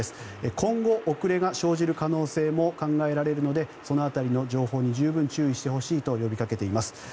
今後、遅れが生じる可能性も考えられるのでその辺りの情報に十分注意してほしいと呼びかけています。